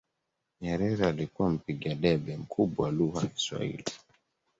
Nyerere alikuwa mpiga debe mkubwa wa Lugha ya kiwahili